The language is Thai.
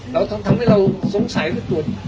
แล้วทำให้เราสงสัยแล้วตรวจ